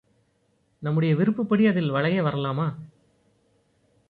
நம்முடைய விருப்பப்படி அதில் வளைய வரலாமா?